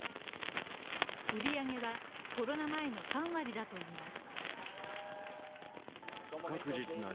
売り上げはコロナ前の３割だといいます。